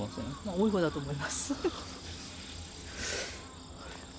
多いほうだと思います。